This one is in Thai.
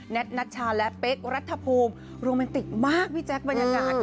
นัชชาและเป๊กรัฐภูมิโรแมนติกมากพี่แจ๊คบรรยากาศ